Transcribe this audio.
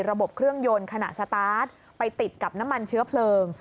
ระบบเครื่องยนต์ขณะสตาร์ทไปติดกับน้ำมันเชื้อเพลิง